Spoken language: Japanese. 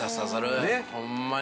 ホンマに。